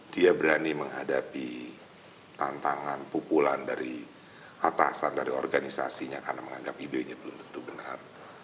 dia berani menghadapi tantangan pukulan dari atasan dari organisasinya karena menganggap idenya belum tentu benar